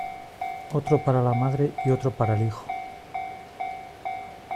otro para la madre y otro para el hijo.